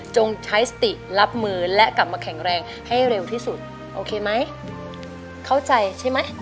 ใช้สติรับมือและกลับมาแข็งแรงให้เร็วที่สุดโอเคไหมเข้าใจใช่ไหม